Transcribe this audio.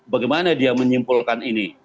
bagaimana dia menyimpulkan ini